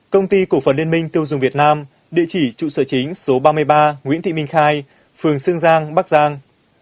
công ty cổ phần liên minh tiêu dùng việt nam địa chỉ trụ sở chính số ba mươi ba nguyễn thị minh khai phường sương giang bắc giang